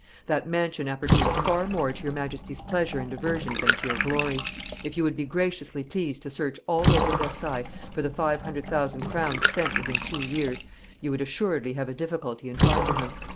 That mansion appertains far more to your Majesty's pleasure and diversion than to your glory; if you would be graciously pleased to search all over Versailles for the five hundred thousand crowns spent within two years, you would assuredly have a difficulty in finding them.